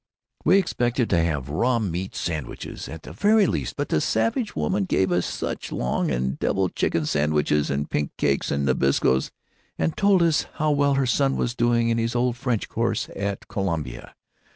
We expected to have raw meat sandwiches, at the very least, but the Savage Woman gave us Suchong and deviled chicken sandwiches and pink cakes and Nabiscos, and told us how well her son was doing in his Old French course at Columbia.